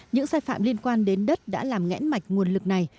những sai phạm liên quan đến đất đã làm ngẽn mạch nguồn lực này